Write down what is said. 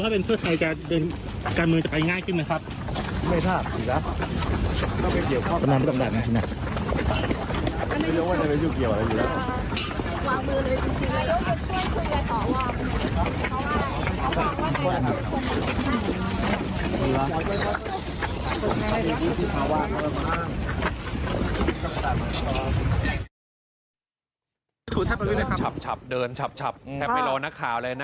เพื่อนคุณคือต่อวางวิชานี่ตรงทาง